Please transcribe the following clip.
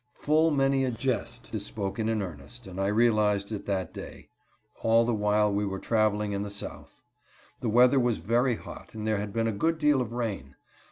Full many a jest is spoken in earnest, and I realized it that day. All the while we were traveling in the South. The weather was very hot and there had been a good deal of rain.